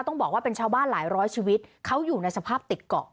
ต้องบอกว่าเป็นชาวบ้านหลายร้อยชีวิตเขาอยู่ในสภาพติดเกาะ